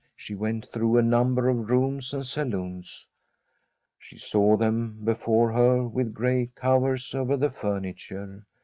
She went through a number of rooms and salons ; she saw them be fore her with gray covers over the furniture.